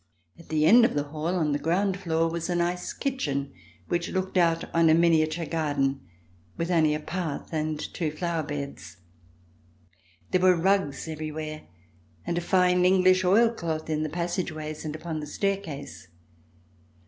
At the end of the hall, on the ground floor, was a nice kitchen which looked out on a miniature garden, with only a path and two flower beds. There were rugs everywhere and fine English oilcloth in the passage ways and upon the staircase.